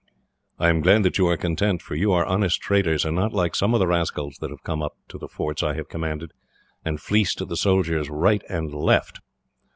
"I am glad that you are content, for you are honest traders, and not like some of the rascals that have come up to the forts I have commanded, and fleeced the soldiers right and left."